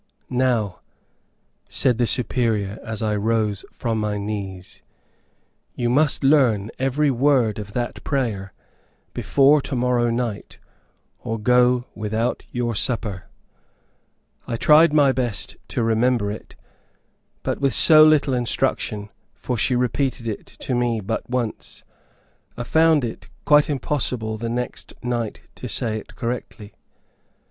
"Now," said the Superior, as I rose from my knees, "you must learn every word of that prayer before to morrow night, or go without your supper." I tried my best to remember it, but with so little instruction, for she repeated it to me but once, I found it quite impossible the next night to say it correctly.